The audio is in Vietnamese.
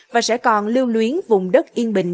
và sẽ còn lưu luyến vùng đất yên bình